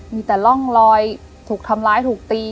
มีแต่ร่องรอยถูกทำร้ายถูกตี